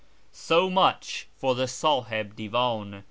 So much for the Sahib Divan.